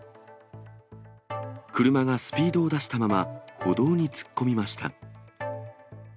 車がスピードを出したまま歩道に突っ込みました。